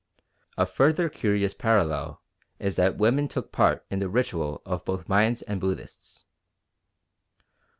A further curious parallel is that women took part in the ritual of both Mayans and Buddhists.